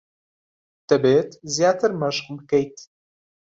دەبێت زیاتر مەشق بکەیت.